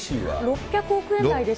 ６００億円台ですかね。